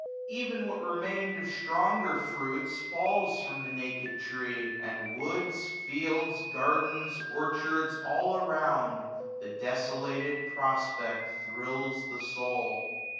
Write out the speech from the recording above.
Ev*n what remained Of stronger fruits, falls from the naked tree ; And woods, fields, gardens, orchards, all around 1000 The desolated prospect thrills the soul.